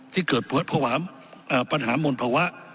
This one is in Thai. ที่เกิดปัญหามนตร์ภาวะ